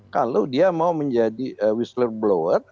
kalau dia mau menjadi whistler blower